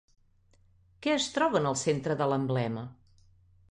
Què es troba en el centre de l'emblema?